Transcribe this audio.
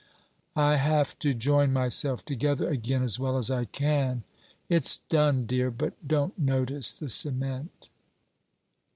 I have to join myself together again, as well as I can. It's done, dear; but don't notice the cement.'